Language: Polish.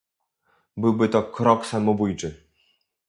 Byłby to krok samobójczy